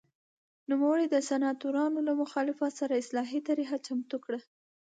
نوموړي د سناتورانو له مخالفت سره اصلاحي طرحه چمتو کړه